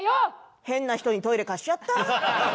変な人にトイレ貸しちゃった。